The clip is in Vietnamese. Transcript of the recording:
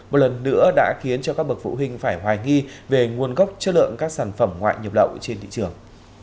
một lần nữa đã khiến cho các bậc phụ huynh phải hoài nghi về nguồn gốc chất lượng các sản phẩm ngoại nhập lậu trên thị trường